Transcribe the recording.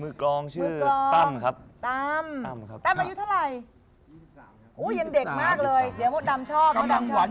นึกลองชื่อตำตำอายุเท่าไหร่